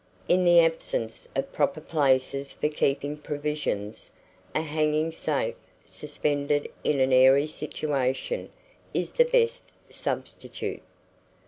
In the absence of proper places for keeping provisions, a hanging safe, suspended in an airy situation, is the best substitute.